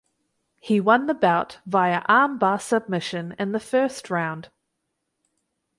He won the bout via armbar submission in the first round.